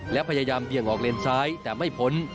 และพยายามเบี่ยงออกเลนซ้ายแต่ไม่พ้น